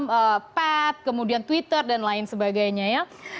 instagram papp kemudian twitter dan lain sebagainya ya